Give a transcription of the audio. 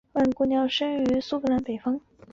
万姑娘出生于苏格兰北方。